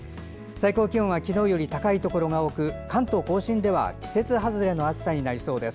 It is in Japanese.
最高気温は昨日より高いところが多く関東・甲信では季節外れの暑さになりそうです。